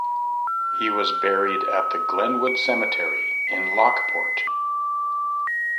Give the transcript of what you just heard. He was buried at the Glenwood Cemetery in Lockport.